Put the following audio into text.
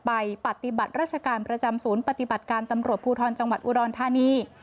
ปฏิบัติราชการประจำศูนย์ปฏิบัติการตำรวจภูทรจังหวัดอุดรธานี